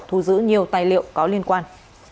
thu giữ nhiều tài liệu có liên quan